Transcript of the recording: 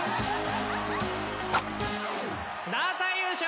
団体優勝！